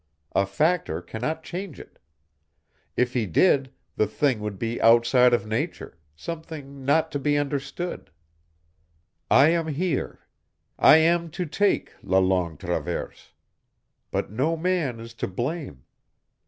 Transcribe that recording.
A Factor cannot change it. If he did, the thing would be outside of nature, something not to be understood. "I am here. I am to take la Longue Traverse. But no man is to blame.